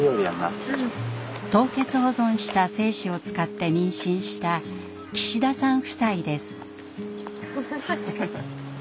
凍結保存した精子を使って妊娠した岸田さん夫妻です。